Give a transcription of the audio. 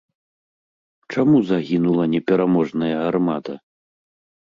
Чаму загінула непераможная армада?